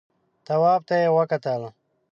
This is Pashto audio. تواب ته يې وکتل.